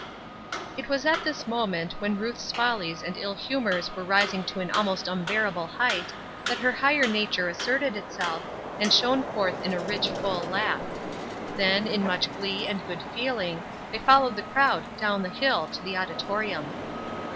It was at this moment, when Ruth's follies and ill humors were rising to an almost unbearable height, that her higher nature asserted itself, and shone forth in a rich, full laugh. Then, in much glee and good feeling, they followed the crowd down the hill to the auditorium.